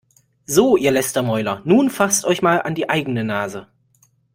So, ihr Lästermäuler, nun fasst euch mal an die eigene Nase!